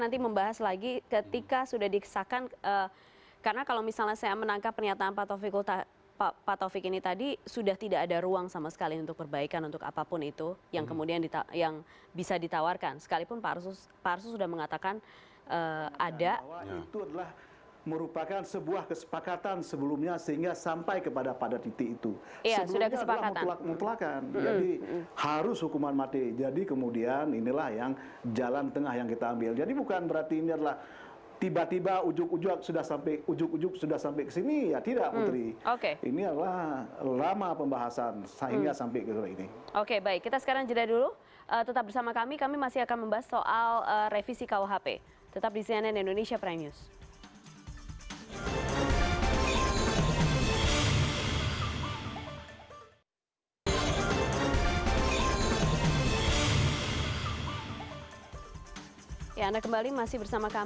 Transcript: terima kasih terima kasih